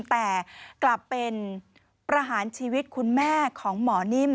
แต่กลับเป็นประหารชีวิตคุณแม่ของหมอนิ่ม